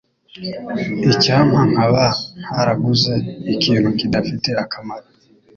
Icyampa nkaba ntaraguze ikintu kidafite akamaro.